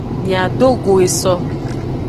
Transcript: Miadogo eso.